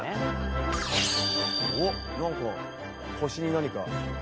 おっなんか腰に何か。